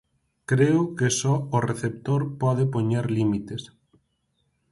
Creo que só o receptor pode poñer límites.